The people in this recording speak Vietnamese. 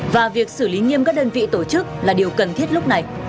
và việc xử lý nghiêm các đơn vị tổ chức là điều cần thiết lúc này